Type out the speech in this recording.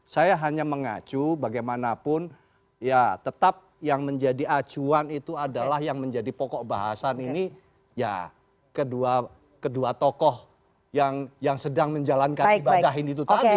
saya hanya mengacu bagaimanapun ya tetap yang menjadi acuan itu adalah yang menjadi pokok bahasan ini ya kedua tokoh yang sedang menjalankan ibadah ini itu tadi